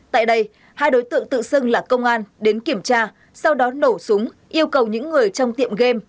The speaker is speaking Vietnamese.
tại đây hai đối tượng tự xưng là công an đến kiểm tra sau đó nổ súng yêu cầu những người trong tiệm game